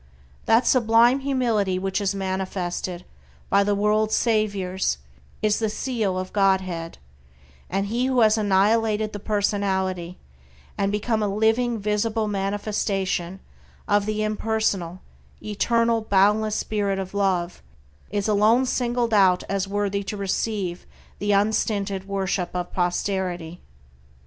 That sublime humility which is manifested by the world's saviors is the seal of Godhead, and he who has annihilated the personality, and has become a living, visible manifestation of the impersonal, eternal, boundless Spirit of Love, is alone singled out as worthy to receive the unstinted worship of posterity.